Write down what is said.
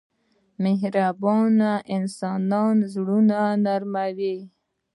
مهرباني د انسان زړه نرموي.